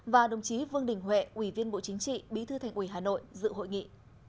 và đồng chí vương đình huệ ủy viên bộ chính trị bí thư thành ủy hà nội dự hội nghị